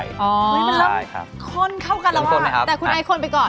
อ๋อค่อนเข้ากันแล้วว่ะ